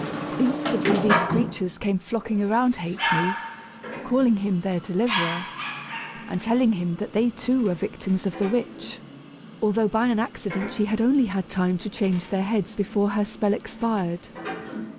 Instantly these creatures came flocking around Ha'penny, calling him their deliverer, and telling him that they too were victims of the witch, although by an accident she had only had time to change their heads before her spell expired.